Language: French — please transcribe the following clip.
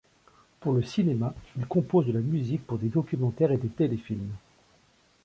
Pour le cinéma, il compose de la musique pour des documentaires et des téléfilms.